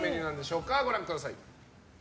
ご覧ください。